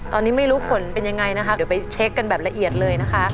ตอนนี้ไม่รู้ผลเป็นยังไงนะคะเดี๋ยวไปเช็คกันแบบละเอียดเลยนะคะ